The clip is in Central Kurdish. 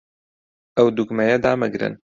ئەو دوگمەیە دامەگرن.